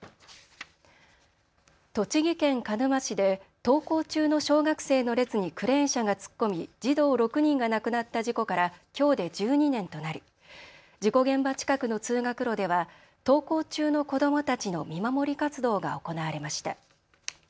栃木県鹿沼市で登校中の小学生の列にクレーン車が突っ込み児童６人が亡くなった事故からきょうで１２年となり、事故現場近くの通学路では登校中の子どもたちの見守り活動が行われました。